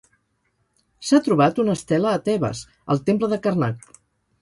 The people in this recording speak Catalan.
S'ha trobat una estela a Tebes, al temple de Karnak.